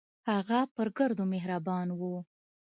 هغه پر ګردو مهربان و.